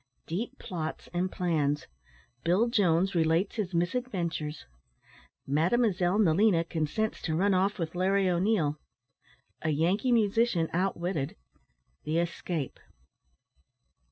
DEEP PLOTS AND PLANS BILL JONES RELATES HIS MISADVENTURES MADEMOISELLE NELINA CONSENTS TO RUN OFF WITH LARRY O'NEIL A YANKEE MUSICIAN OUTWITTED THE ESCAPE.